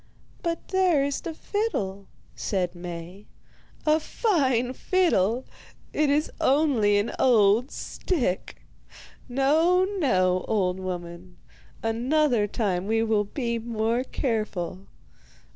'But there is the fiddle,' said Maie. 'A fine fiddle! It is only an old stick. No, no, old woman, another time we will be more careful.